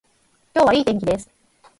今日はいい天気です